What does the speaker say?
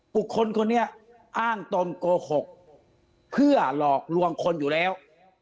บุคคลคนนี้อ้างตนโกหกเพื่อหลอกลวงคนอยู่แล้ว